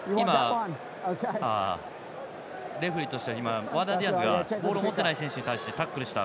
レフリーとしては、今ワーナー・ディアンズがボールを持っていない選手に対してタックルした。